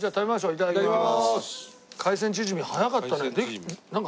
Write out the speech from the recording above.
いただきます。